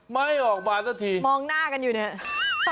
ไม่ออกมาซะทีมองหน้ากันอยู่ดังไง